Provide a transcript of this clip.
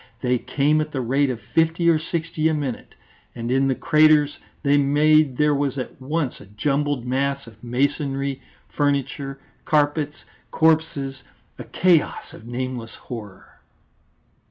They came at the rate of fifty or sixty a minute, and in the craters they made there was at once a jumbled mass of masonry, furniture, carpets, corpses, a chaos of nameless horror.